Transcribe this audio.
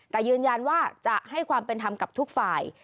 แต่ยืนยันว่าจะให้ความเป็นธรรมกับทุกฝ่าย